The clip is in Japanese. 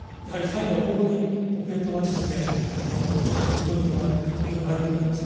やはり最後はここにコヘレトのポイントがここにあると思いますね。